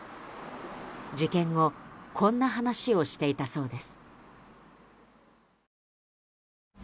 事件後こんな話をしていたそうです。